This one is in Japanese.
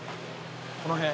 この辺？